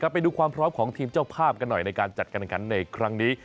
ไปดูความพร้อมของทีมเจ้าภาพกันหน่อยในการจัดการขันในครั้งนี้